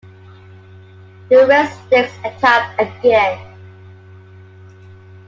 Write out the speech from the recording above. The Red Sticks attacked again.